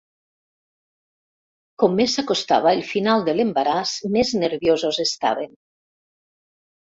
Com més s'acostava el final de l'embaràs més nerviosos estaven.